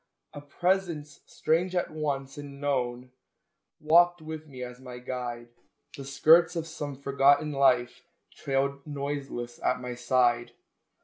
A presence, strange at once and known, Walked with me as my guide; The skirts of some forgotten life Trailed noiseless at my side.